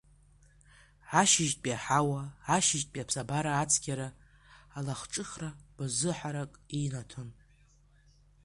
Ашьыжьтәи аҳауа, ашьыжьтәи аԥсабара ацқьара, алахҿыхра гәазыҳәарак инаҭон.